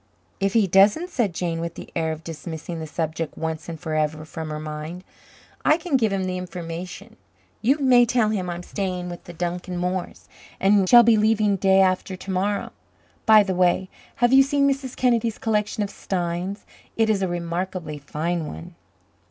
"If he doesn't," said Jane, with the air of dismissing the subject once and forever from her mind, "I can give him the information. You may tell him I'm staying with the Duncan Moores, and shall be leaving day after to morrow. By the way, have you seen Mrs. Kennedy's collection of steins? It is a remarkably fine one."